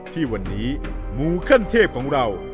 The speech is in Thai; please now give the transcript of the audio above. ที่วันนี้หมูขั้นเทพของเรา